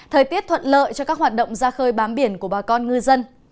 thời tiết thuận lợi cho các hoạt động ra khơi bám biển của bà con ngư dân